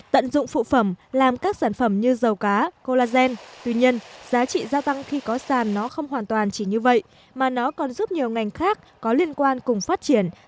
tận dụng phụ phẩm làm các sản phẩm như dầu cá collagen